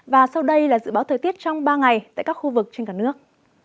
và sau đây là dự báo thời tiết trong ba ngày tại các khu vực trên cả nước